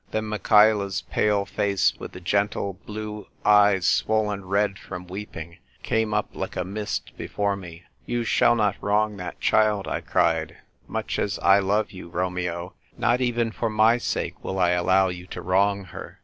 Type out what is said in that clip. Then Michaela's pale face, v/ith the gentle blue eyes swollen red from weeping, came up like a mist before me. " You shall not wrong that child !" I cried. "Much as I love you, Romeo, not even for my sake will I allow you to wrong her.